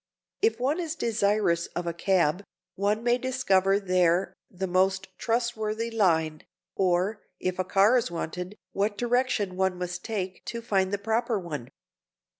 If one is desirous of a cab, one may discover there the most trustworthy line; or, if a car is wanted, what direction one must take to find the proper one.